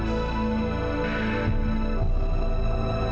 zacun dalameaulasi bahasa indonesia